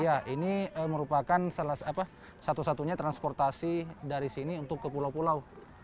iya ini merupakan salah satu satunya transportasi dari sini untuk ke pulau pulau